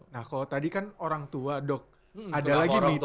nah kalau tadi kan orang tua dok ada lagi nih